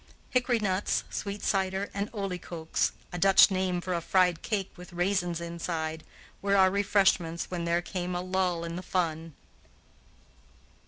Hickory nuts, sweet cider, and olie koeks (a Dutch name for a fried cake with raisins inside) were our refreshments when there came a lull in the fun.